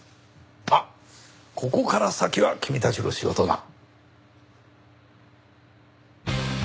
まあここから先は君たちの仕事だ。